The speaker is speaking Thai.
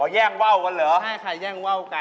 อ๋อแย่งเว้ากันเหรอใช่ค่ะแย่งเว้ากัน